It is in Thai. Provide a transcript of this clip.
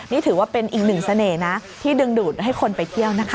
นี่ถือว่าเป็นอีกหนึ่งเสน่ห์นะที่ดึงดูดให้คนไปเที่ยวนะคะ